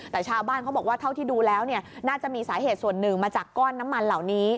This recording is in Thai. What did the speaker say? แต่ชาวบ้านเขาบอกว่าเท่าที่ดูแล้วน่าจะมีสาเหตุส่วนหนึ่งมาจากก้อนน้ำมันเหล่านี้